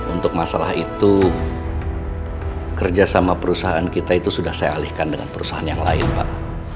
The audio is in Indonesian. untuk masalah itu kerjasama perusahaan kita itu sudah saya alihkan dengan perusahaan yang lain pak